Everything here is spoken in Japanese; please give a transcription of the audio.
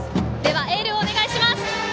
エールをお願いします！